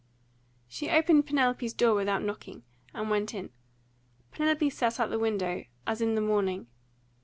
She opened Penelope's door without knocking, and went in. Penelope sat at the window, as in the morning.